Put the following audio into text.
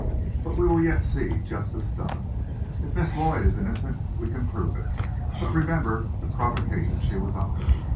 But we will yet see justice done. If Miss Lloyd is innocent, we can prove it. But remember the provocation she was under.